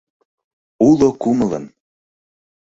— Уло кумылын!..